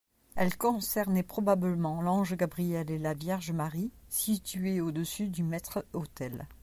Elle concernait probablement l'ange Gabriel et la Vierge Marie situés au-dessus du maître autel.